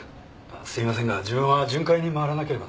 すいませんが自分は巡回に回らなければならないので。